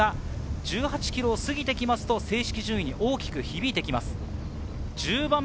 １８ｋｍを過ぎてくると、正式順位に大きく響いてきます。